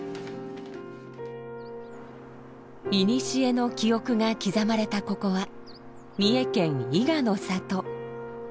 いにしえの記憶が刻まれたここは三重県伊賀の里。